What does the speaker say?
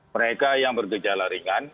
mereka yang bergejala ringan